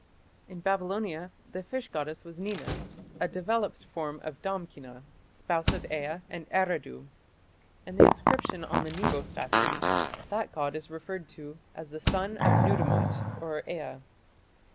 In Babylonia the fish goddess was Nina, a developed form of Damkina, spouse of Ea of Eridu. In the inscription on the Nebo statue, that god is referred to as the "son of Nudimmud" (Ea).